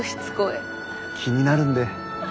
気になるんで。